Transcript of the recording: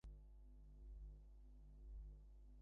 ঠিক জানে না, খুঁজিয়া লইতে হইবে।